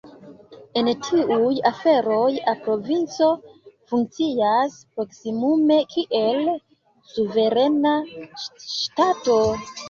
En tiuj aferoj la provinco funkcias proksimume kiel suverena ŝtato.